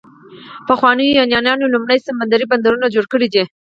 پخوانیو یونانیانو لومړني سمندري بندرونه جوړ کړي دي.